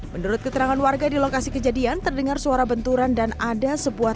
menurut keterangan warga di lokasi kejadian terdengar suara benturan dan ada sebuah